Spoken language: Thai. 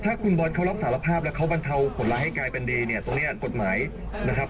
ถ้าคุณบอลเขารับสารภาพแล้วเขาบรรเทาผลร้ายให้กลายเป็นดีเนี่ยตรงเนี้ยกฎหมายนะครับ